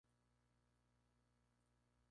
En "cursiva", los equipos debutantes en la copa.